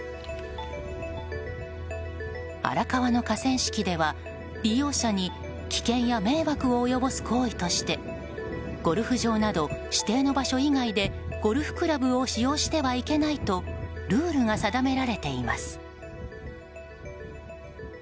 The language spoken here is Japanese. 荒川の河川敷では利用者に危険や迷惑を及ぼす行為としてゴルフ場など、指定の場所以外でゴルフクラブを使用してはいけないとルールが定められています。